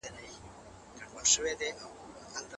زوم ملامتول د دوی تر منځ د نفرت سبب کيږي.